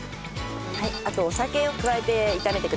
あとお酒を加えて炒めてください。